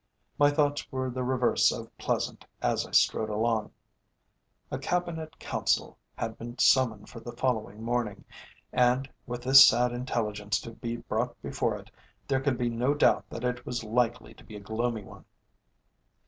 My thoughts were the reverse of pleasant as I strode along. A Cabinet Council had been summoned for the following morning, and, with this sad intelligence to be brought before it, there could be no doubt that it was likely to be a gloomy one.